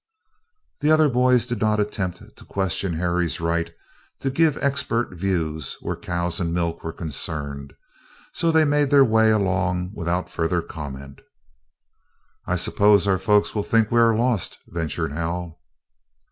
The other boys did not attempt to question Harry's right to give expert views where cows and milk were concerned; so they made their way along without further comment. "I suppose our folks will think we are lost," ventured Hal.